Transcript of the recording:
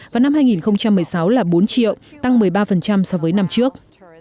và năm hai nghìn một mươi sáu là bốn triệu tăng một mươi ba so với năm trước